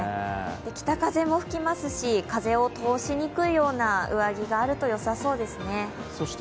北風も吹きますし、風を通しにくいような上着があるとよさそうですね。